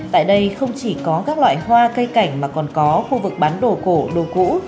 tại đây không chỉ có các loại hoa cây cảnh mà còn có khu vực bán đồ cổ đồ cũ